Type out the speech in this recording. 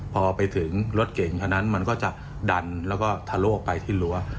พอไปถึงรถเก่งคนนั้นมันก็จะดันแล้วก็ทะลกไปที่รั้ว